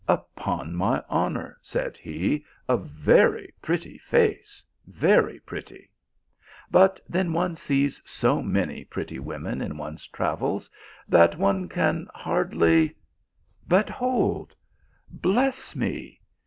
"Upon my honour," said he, "a very pretty face ; very pretty. But then one sees so m my pretty women in one s travels that one can hardly but hold bless me